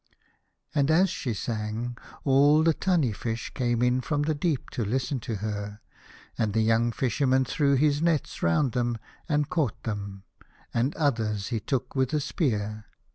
And as she sang, all the tunny fish came in from the deep to listen to her, and the young Fisherman threw his nets round them and caught them, and others he took with a spear.